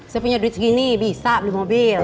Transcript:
saya punya duit segini bisa beli mobil